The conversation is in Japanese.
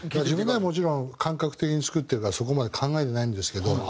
自分ではもちろん感覚的に作ってるからそこまで考えてないんですけど。